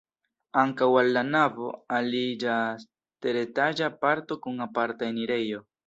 Ankaŭ al la navo aliĝas teretaĝa parto kun aparta enirejo.